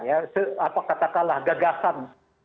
apakah katakanlah gagasan